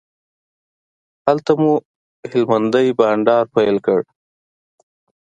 هلته مو هلمندی بانډار پیل کړ.